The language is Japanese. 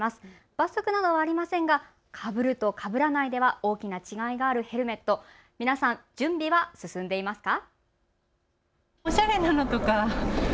罰則などはありませんがかぶると、かぶらないでは大きな違いがあるヘルメット、皆さん、準備は進んでいますか。